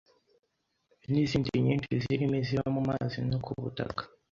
n’izindi nyinshi zirimo iziba mu mazi no ku butaka.